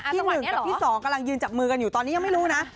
ที่๑กับที่๒กำลังยืนจับมือกันอยู่ตอนนี้ยังไม่รู้นะ